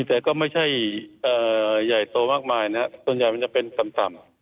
แต่ก็ไม่ใช่ใหญ่โตมากมายนะส่วนใหญ่มันจะเป็นต่ำ